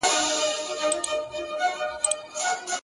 یا به اوښ یا زرافه ورته ښکاره سم!